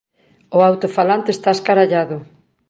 O autofalante está escarallado.